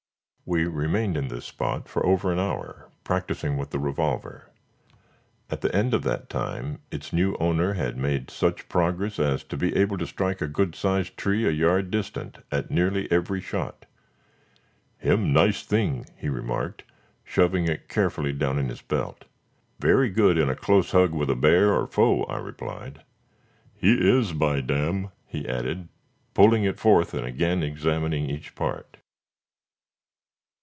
We remained in this spot for over an hour practicing with the revolver. At the end of that time its new owner had made such progress as to be able to strike a good sized tree a yard distant, at nearly every shot. "Him nice thing!" he remarked, shoving it carefully down in his belt. "Very good in a close hug with a bear or foe," I replied. "He is, by dam," he added, pulling it forth and again examining each part.